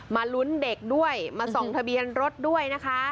ลุ้นเด็กด้วยมาส่องทะเบียนรถด้วยนะคะ